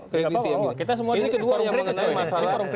kritis yang gini ini kedua yang mengenai masalah